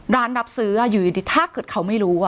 ร้านรับซื้ออยู่ดีถ้าเขาไม่รู้อ่ะ